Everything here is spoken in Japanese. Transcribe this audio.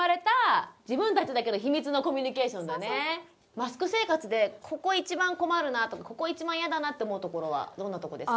マスク生活でここ一番困るなとかここ一番嫌だなって思うところはどんなとこですか。